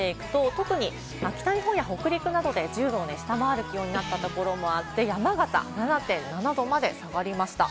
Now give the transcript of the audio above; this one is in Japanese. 特に北日本や北陸などで１０度を下回る気温になったところもあって、山形、７．７度まで下がりました。